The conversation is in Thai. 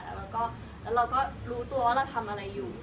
แล้วเราก็รู้ตัวว่าเราทำอะไรอยู่